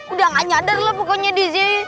udah gak nyadar lah pokoknya di sini